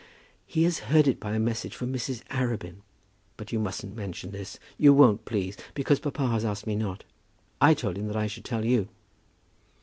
"He has heard it by a message from Mrs. Arabin. But you mustn't mention this. You won't, please, because papa has asked me not. I told him that I should tell you."